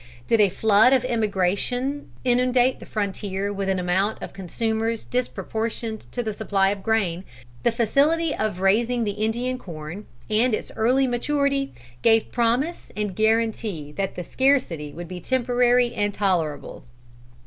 Did a flood of emigration inundate the frontier, with an amount of consumers disproportioned to the supply of grain, the facility of raising the Indian corn, and its early maturity, gave promise and guarantee that the scarcity would be temporary and tolerable.